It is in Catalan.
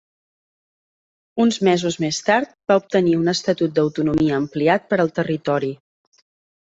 Uns mesos més tard, va obtenir un estatut d'autonomia ampliat per al territori.